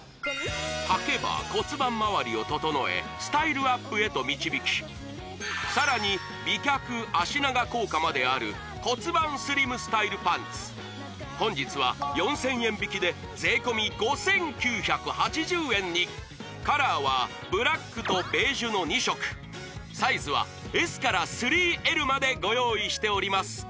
はけば骨盤周りを整えスタイルアップへと導きさらに美脚脚長効果まである骨盤スリムスタイルパンツ本日は４０００円引きでカラーはブラックとベージュの２色サイズはＳから３Ｌまでご用意しております